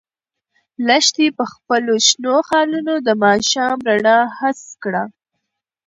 لښتې په خپلو شنو خالونو د ماښام رڼا حس کړه.